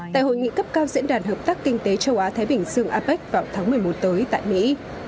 tại hội nghị cấp cao diễn đàn hợp tác kinh tế châu á thái bình dương apec vào tháng một mươi một tới tại mỹ